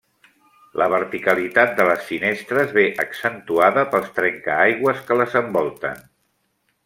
La verticalitat de les finestres ve accentuada pels trencaaigües que les envolten.